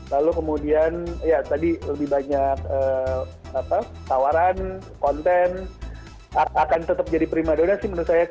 lalu kemudian ya tadi lebih banyak tawaran konten akan tetap jadi prima dona sih menurut saya